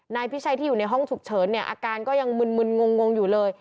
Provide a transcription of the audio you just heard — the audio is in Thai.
นายพิชัยที่อยู่ในห้องฉุกเฉินเนี่ยอาการก็ยังมึนงงอยู่เลย